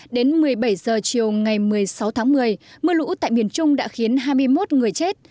đến một mươi bảy h chiều ngày một mươi sáu tháng một mươi mưa lũ tại miền trung đã khiến hai mươi một người chết